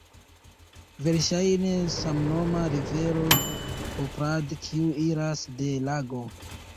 Verŝajne samnoma rivero Poprad kiu iras de lago.